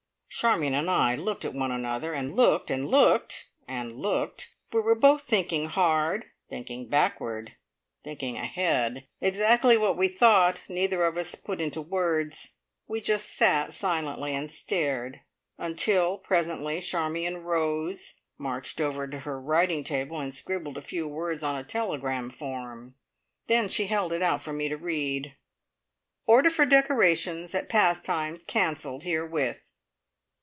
Charmion and I looked at one another, and looked, and looked, and looked. We were both thinking hard thinking backward, thinking ahead. Exactly what we thought neither of us put into words; we just sat silently and stared, until presently Charmion rose, marched over to her writing table, and scribbled a few words on a telegram form. Then she held it out for me to read: "Order for decorations at Pastimes cancelled herewith."